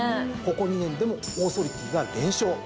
ここ２年でもオーソリティが連勝。